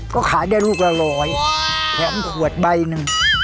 ก็ขายได้ลูกละร้อยแถมขวดใบหนึ่ง